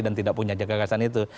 dan tidak punya jaga kesehatan itu